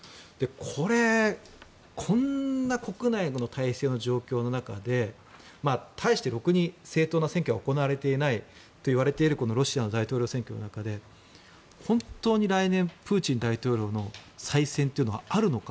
これ、こんな国内の体制の状況の中で対してろくに正当な選挙が行われていないといわれているロシアの大統領選挙の中で本当に来年、プーチン大統領の再選というのはあるのか。